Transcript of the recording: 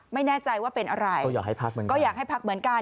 ไม่แน่ใจว่าเป็นอะไรก็อยากให้พักเหมือนกัน